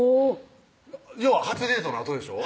要は初デートのあとでしょ？